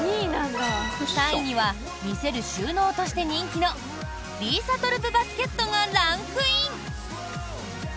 ３位には見せる収納として人気のリーサトルプバスケットがランクイン。